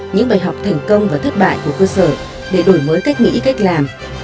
những bài học thành công và thất bại của cơ sở để đổi mới cách nghĩ cách làm